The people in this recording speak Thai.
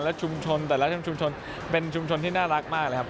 และชุมชนแต่ละชุมชนเป็นชุมชนที่น่ารักมากเลยครับ